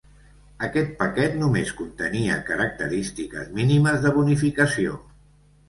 Aquest paquet només contenia característiques mínimes de bonificació.